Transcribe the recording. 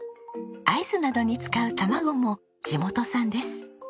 アイスなどに使う卵も地元産です。